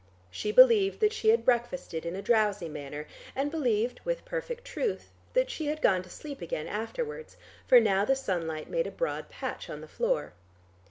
She believed that she had breakfasted in a drowsy manner, and believed (with perfect truth) that she had gone to sleep again afterwards, for now the sunlight made a broad patch on the floor.